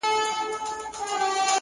o سترگي له سترگو بېرېږي!